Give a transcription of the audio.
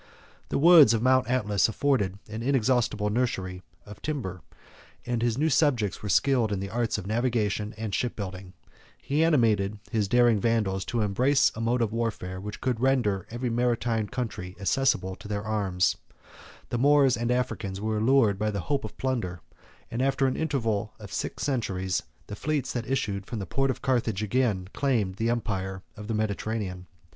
The woods of Mount Atlas afforded an inexhaustible nursery of timber: his new subjects were skilled in the arts of navigation and ship building; he animated his daring Vandals to embrace a mode of warfare which would render every maritime country accessible to their arms; the Moors and Africans were allured by the hopes of plunder; and, after an interval of six centuries, the fleets that issued from the port of Carthage again claimed the empire of the Mediterranean.